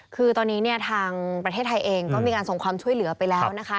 คือตอนนี้เนี่ยทางประเทศไทยเองก็มีการส่งความช่วยเหลือไปแล้วนะคะ